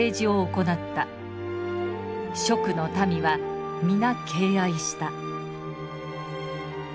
蜀の民は皆敬愛した」。